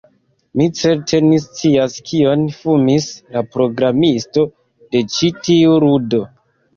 Mi certe ne scias kion fumis la programisto de ĉi tiu ludo